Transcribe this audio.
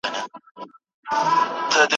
شرنګ د زولنو به دي غوږو ته رسېدلی وي